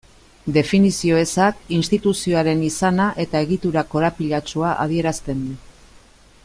Definizio ezak instituzioaren izana eta egitura korapilatsua adierazten du.